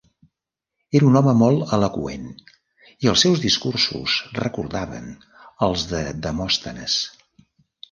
Era un home molt eloqüent i els seus discursos recordaven els de Demòstenes.